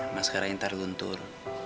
mas karain ntar luntur